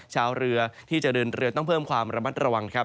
ชาวเรือที่จะเดินเรือต้องเพิ่มความระมัดระวังครับ